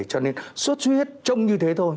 cho nên suốt huyết trông như thế thôi